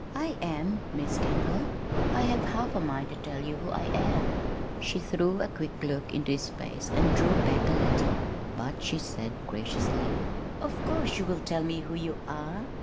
"I am Miss Kendall, I have half a mind to tell you who I am." She threw a quick look into his face and drew back a little; but she said graciously: "Of course you will tell me who you are."